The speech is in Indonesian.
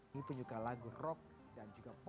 ini penyuka lagu rock dan juga pop